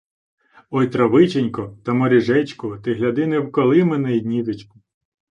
«Ой травиченько, та моріжечку, ти гляди не вколи мені й ніжечку...»